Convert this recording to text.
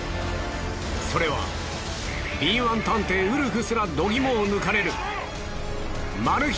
それは敏腕探偵ウルフすら度肝を抜かれるマル秘